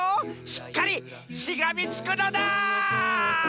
しっかりしがみつくのだ！